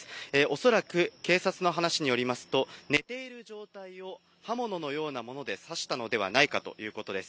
恐らく警察の話によりますと、寝ている状態を刃物のようなもので刺したのではないかということです。